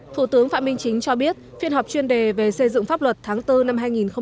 thủ tướng phạm minh chính cho biết phiên họp chuyên đề về xây dựng pháp luật tháng bốn năm hai nghìn hai mươi